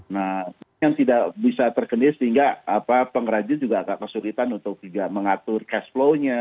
nah ini yang tidak bisa terkenda sehingga pengrajin juga agak kesulitan untuk tidak mengatur cash flow nya